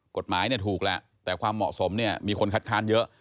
กฎหมายถูกแล้วแต่ความเหมาะสมมีคนคัดค้านเยอะ